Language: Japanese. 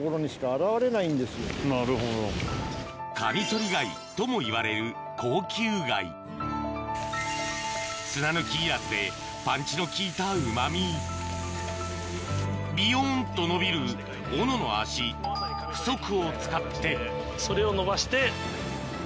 マテガイって。ともいわれる高級貝砂抜きいらずでパンチの効いたうま味ビヨンと伸びる斧の足斧足を使ってそれを伸ばして。